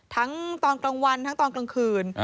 ตอนกลางวันทั้งตอนกลางคืน